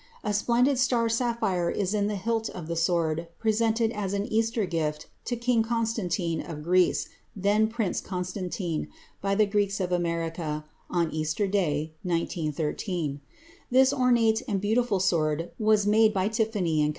A splendid star sapphire is in the hilt of the sword presented as an Easter gift to King Constantine of Greece, then Prince Constantine, by the Greeks of America, on Easter Day 1913. This ornate and beautiful sword was made by Tiffany & Co.